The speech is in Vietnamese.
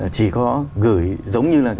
chỉ có gửi giống như là